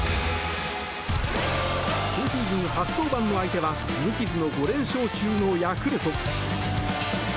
今シーズン初登板の相手は無傷の５連勝中のヤクルト。